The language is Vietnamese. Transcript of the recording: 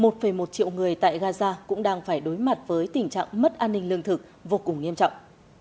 một một triệu người tại gaza cũng đang phải đối mặt với tình trạng mất an ninh lương thực vô cùng nghiêm trọng